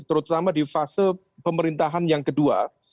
terutama di fase pemerintahan yang kedua